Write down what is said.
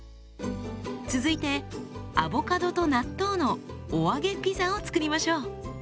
続いてアボカドと納豆のお揚げピザを作りましょう。